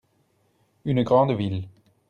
une grande ville.